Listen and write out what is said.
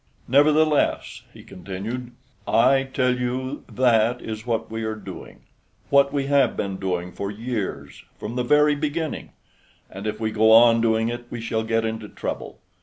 "Nevertheless," he continued, "I tell you that is what we are doing, what we have been doing for years, from the very beginning. And if we go on doing it we shall get into trouble.